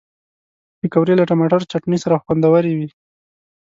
پکورې له ټماټر چټني سره خوندورې وي